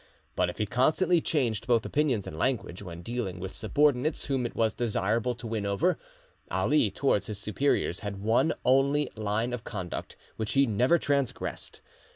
But if he constantly changed both opinions and language when dealing with subordinates whom it was desirable to win over, Ali towards his superiors had one only line of conduct which he never transgressed.